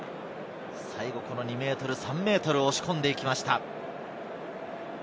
最後、２ｍ、３ｍを押し込んでいきました。